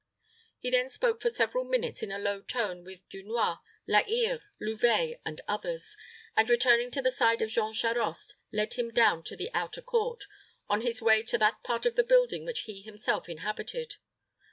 He then spoke for several minutes in a low tone with Dunois, La Hire, Louvet, and others, and, returning to the side of Jean Charost, led him down to the outer court, on his way to that part of the building which he himself inhabited.